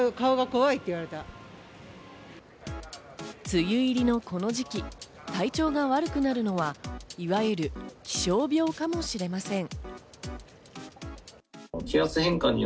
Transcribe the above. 梅雨入りのこの時期、体調が悪くなるのは、いわゆる気象病かもしれません。